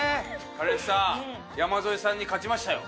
彼氏さん山添さんに勝ちましたよ。